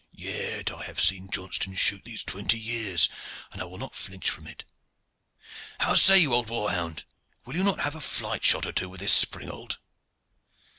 "Yet I have seen Johnston shoot these twenty years, and I will not flinch from it. How say you, old war hound, will you not have a flight shot or two with this springald?"